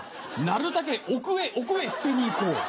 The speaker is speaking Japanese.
なるだけ奥へ奥へ捨てに行こう。